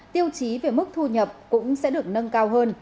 tiêu chí về mức thu nhập cũng sẽ được nâng cao hơn